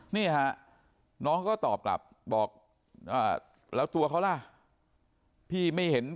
เจ้าล่ะพี่ไม่เห็น